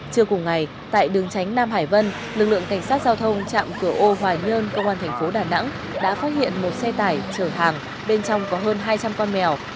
trưa cùng ngày tại đường tránh nam hải vân lực lượng cảnh sát giao thông trạm cửa ô hoài nhơn công an thành phố đà nẵng đã phát hiện một xe tải chở hàng bên trong có hơn hai trăm linh con mèo